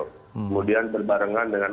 kemudian berbarengan dengan